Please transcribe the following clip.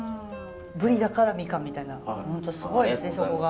ぶりだからみかんみたいな本当すごいですねそこが。